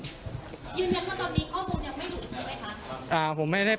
ยืนยังว่าตอนนี้ข้อมูลยังไม่อยู่อยู่ไหนค่ะอ่า